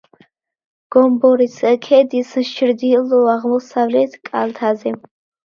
გომბორის ქედის ჩრდილო-აღმოსავლეთ კალთაზე.